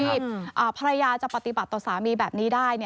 ภรรยาจะปฏิบัติต่อสามีแบบนี้ได้